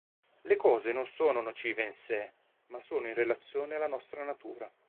Le cose non sono nocive in sé, ma solo in relazione alla nostra natura.